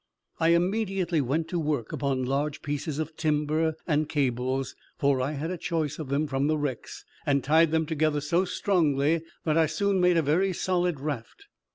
I immediately went to work upon large pieces of timber and cables, for I had a choice of them from the wrecks, and tied them together so strongly that I soon made a very solid raft.